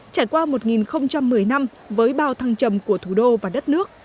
trải qua một một mươi năm với bao thăng trầm của thủ đô và đất nước